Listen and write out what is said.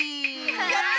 やった！